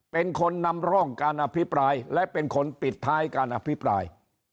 เป็นคนนำร่องการอภิปรายและเป็นคนปิดท้ายการอภิปราย